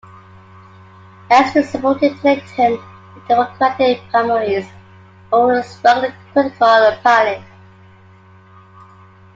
Estrich supported Clinton in the Democratic primaries, but was strongly critical of Palin.